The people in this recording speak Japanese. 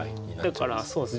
だからそうです。